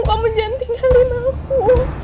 kamu jangan tinggalin aku